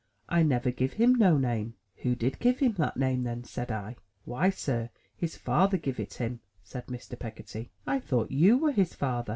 I never giv him no name.*' "Who did give him that name, then?" said I. "Why, Sir, his father giv it him," said Mr. Peggotty. "I thought you were his father!"